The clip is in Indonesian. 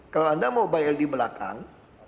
kalau anda mau bile di belakang